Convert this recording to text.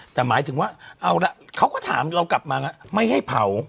ถ้ามีการกลับมาโดนเถอะไม่ให้เผา